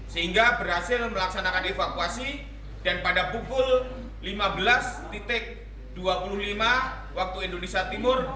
sehingga berhasil melaksanakan evakuasi dan pada pukul lima belas dua puluh lima waktu indonesia timur